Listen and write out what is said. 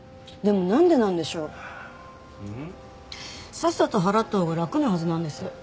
さっさと払ったほうが楽なはずなんです。